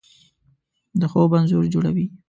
د خوب انځور جوړوي